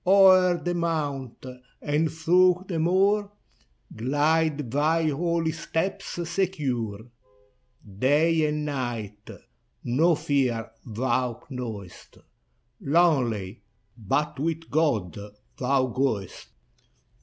O'er the mount, and through the moor, Glide thy holy steps secure. Day and night no fear thou knowest, Lonely, — but with God thou goest.